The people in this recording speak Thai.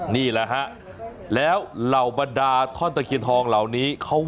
นี่แหละฮะแล้วเหล่าบรรดาท่อนตะเคียนทองเหล่านี้เขา